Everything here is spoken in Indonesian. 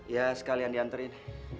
ya sekalian diantarin